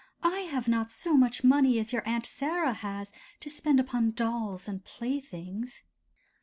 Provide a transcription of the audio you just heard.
I have not so much money as your Aunt Sarah has to spend upon dolls and playthings.